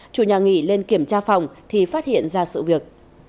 chủ nhà nghỉ lên kiểm tra phòng thì phát hiện ra sự việc